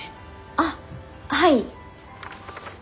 あっはい。